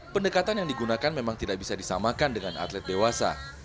pendekatan yang digunakan memang tidak bisa disamakan dengan atlet dewasa